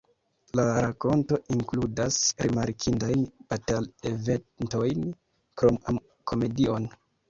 La rakonto inkludas rimarkindajn batal-eventojn krom am-komedion.